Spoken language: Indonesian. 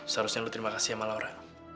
seharusnya lu terima kasih sama laura